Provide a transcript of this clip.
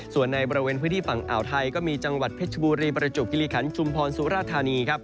ส่วนในบริเวณพื้นที่ฝั่งอ่าวไทยก็มีจังหวัดเพชรบุรีประจวบคิริขันชุมพรสุราธานีครับ